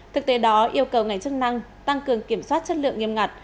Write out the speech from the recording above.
thực tế đó yêu cầu ngành chức năng tăng cường kiểm soát chất lượng nghiêm ngặt